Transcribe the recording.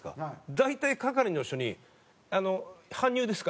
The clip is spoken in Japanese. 大体係の人に「搬入ですか？